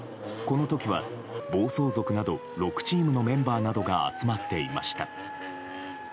この時は、暴走族など６チームのメンバーなどが集まっていました。